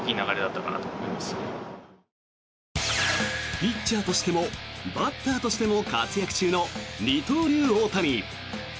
ピッチャーとしてもバッターとしても活躍中の二刀流・大谷。